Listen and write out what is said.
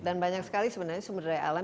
dan banyak sekali sebenarnya sumber daya alam